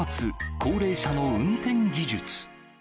高齢者の運転技術。